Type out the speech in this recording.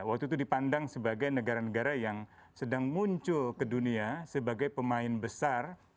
waktu itu dipandang sebagai negara negara yang sedang muncul ke dunia sebagai pemain besar